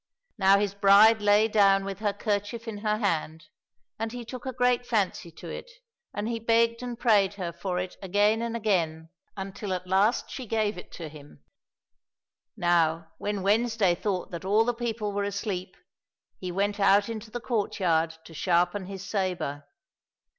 Now his bride lay down with her kerchief in her hand, and he took a great fancy to it, and he begged and prayed her for it again and again, until at last she gave it to 255 COSSACK FAIRY TALES him. Now, when Wednesday thought that all the people were asleep, he went out into the courtyard to sharpen his sabre.